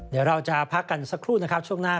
เดี๋ยวเราจะพักกันสักครู่นะครับช่วงหน้า